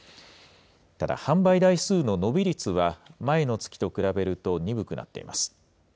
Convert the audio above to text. ただ販売台数の伸び率は、前の月と比べると鈍くなっています。